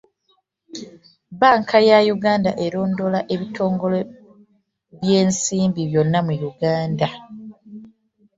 Bbanka ya Uganda erondoola ebitongole by'ensimbi byonna mu Uganda.